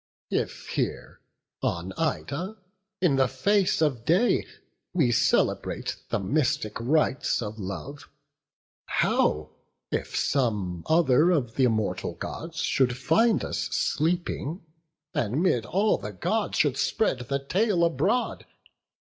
If here on Ida, in the face of day, We celebrate the mystic rites of love. How if some other of th' immortal Gods Should find us sleeping, and 'mid all the Gods Should spread the tale abroad?